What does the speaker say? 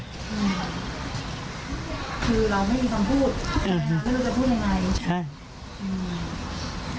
คือเราไม่มีคำพูดไม่รู้จะพูดยังไง